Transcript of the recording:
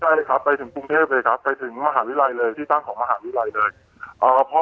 เลยครับไปถึงกรุงเทพเลยครับไปถึงมหาวิทยาลัยเลยที่ตั้งของมหาวิทยาลัยเลยอ่าพ่อ